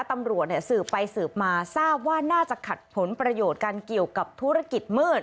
ตำรวจสืบไปสืบมาทราบว่าน่าจะขัดผลประโยชน์กันเกี่ยวกับธุรกิจมืด